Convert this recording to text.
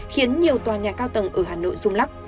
khiến nhiều tòa nhà cao tầng ở hà nội rung lắc